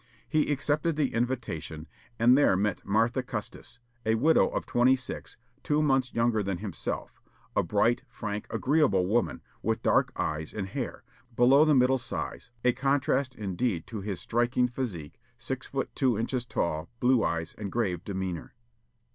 He accepted the invitation, and there met Martha Custis, a widow of twenty six, two months younger than himself; a bright, frank, agreeable woman, with dark eyes and hair, below the middle size, a contrast indeed to his striking physique, six feet two inches tall, blue eyes, and grave demeanor.